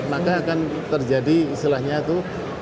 maka akan terjadi istilahnya itu